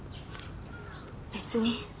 別に。